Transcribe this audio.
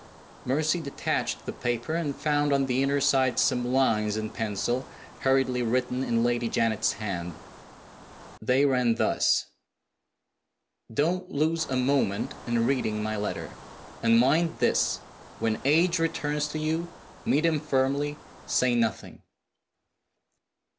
Mercy detached the paper, and found on the inner side some lines in pencil, hurriedly written in Lady Janet's hand. They ran thus. "Don't lose a moment in reading my letter. And mind this, when H. returns to you meet him firmly: say nothing."